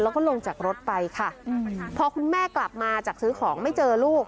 แล้วก็ลงจากรถไปค่ะพอคุณแม่กลับมาจากซื้อของไม่เจอลูก